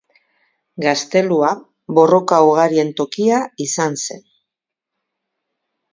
Gaztelua borroka ugarien tokia izan zen.